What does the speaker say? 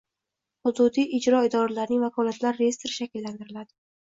Hududiy ijro idoralarining vakolatlar reyestri shakllantiriladi